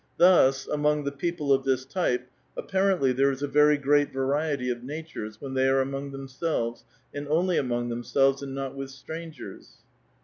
Thus, among the people of this type, apparently there is a Tcry great variety of natures when they are among them selves, and only among themselves and not with strangers.